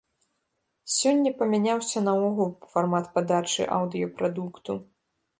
Сёння памяняўся наогул фармат падачы аўдыёпрадукту.